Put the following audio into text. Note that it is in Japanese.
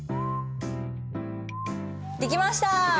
できました！